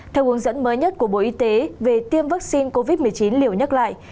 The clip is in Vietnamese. theo hướng dẫn mới nhất của bộ y tế về tiêm vaccine covid một mươi chín liều nhắc lại